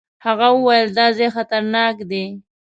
هغه وويل دا ځای خطرناک دی.